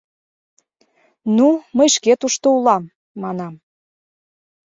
«Ну, мый шке тушто улам», — манам.